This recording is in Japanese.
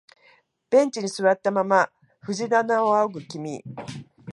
ベンチに座ったまま藤棚を仰ぐ君、